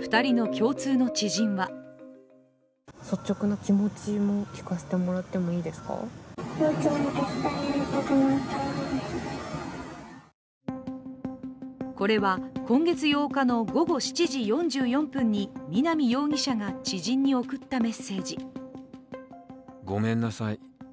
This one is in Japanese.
２人の共通の知人はこれは今月８日の午後７時４４分に南容疑者が知人に送ったメッセージ。